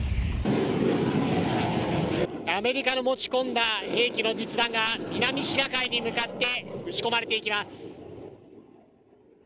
アメリカの持ち込んだ兵器の実弾が南シナ海に向かって撃ち込まれていきます。